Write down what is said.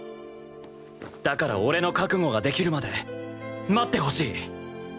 だから俺の覚悟ができるまで待ってほしい。